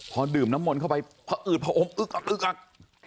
พอดื่มน้ำมนต์เข้าไปผอืดผอมอึกอักอึกอัก